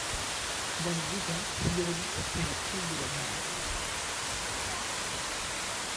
Dans les deux cas, l’hydraulique est la cause de l’abandon.